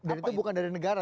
dan itu bukan dari negara